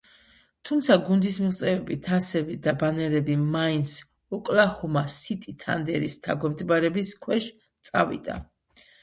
თუმცა გუნდის მიღწევები, თასები და ბანერები მაინც ოკლაჰომა-სიტი თანდერის დაქვემდებარების ქვეშ წავიდა.